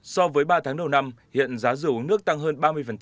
so với ba tháng đầu năm hiện giá rửa uống nước tăng hơn ba mươi